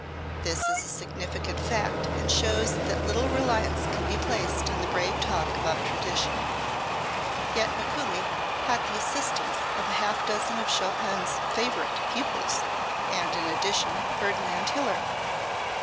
This is a significant fact and shows that little reliance can be placed on the brave talk about tradition. Yet Mikuli had the assistance of a half dozen of Chopin's "favorite" pupils, and, in addition, Ferdinand Hiller.